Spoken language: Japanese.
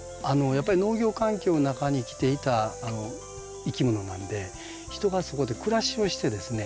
やっぱり農業環境の中に生きていたいきものなので人がそこで暮らしをしてですね